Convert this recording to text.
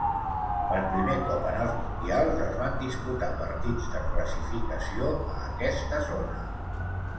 Per primer cop en els Mundials es van disputar partits de classificació a aquesta zona.